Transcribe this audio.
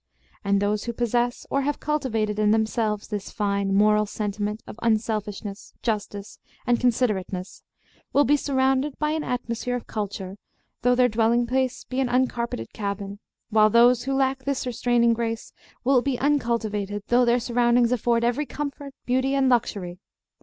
And those who possess or have cultivated in themselves this fine moral sentiment of unselfishness, justice, and considerateness, will be surrounded by an atmosphere of culture though their dwelling place be an uncarpeted cabin, while those who lack this restraining grace will be "uncultivated" though their surroundings afford every comfort, beauty, and luxury.